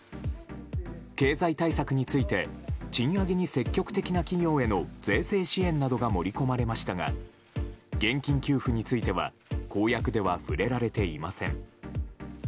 経済対策について賃上げに積極的な企業への税制支援などが盛り込まれましたが現金給付については公約では触れられていません。